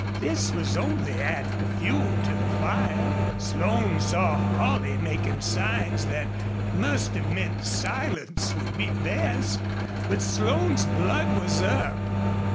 This was only adding fuel to the fire. Slone saw Holley making signs that must have meant silence would be best. But Slone's blood was up.